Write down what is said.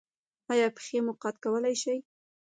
ایا پښې مو قات کولی شئ؟